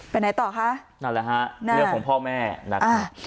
ไปไหนต่อคะนั่นแหละครับเลือกของพ่อแม่นักครับ